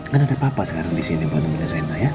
kan ada papa sekarang disini buat nemenin rena ya